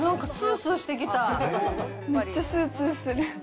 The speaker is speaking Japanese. めっちゃすーすーする。